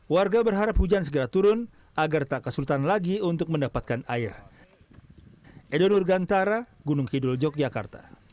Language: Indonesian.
warga berharap hujan segera turun agar tak kesultan lagi untuk mendapatkan air